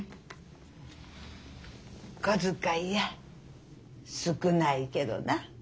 小遣いや少ないけどな。